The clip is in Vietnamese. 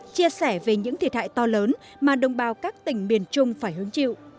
chia sẻ về những thiệt hại to lớn mà đồng bào các tỉnh miền trung phải hứng chịu